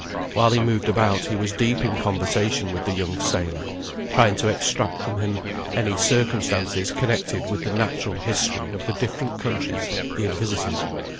While he moved about he was deep in conversation with the young sailor, trying to extract from him any circumstances connected with the natural history of the different countries he had visited.